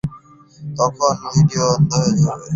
তবে নির্দিষ্ট পেজ ছেড়ে অন্য পেজে গেলে তখন ভিডিও বন্ধ হয়ে যাবে।